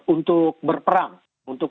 untuk berperang untuk